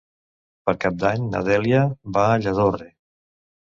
Per Cap d'Any na Dèlia va a Lladorre.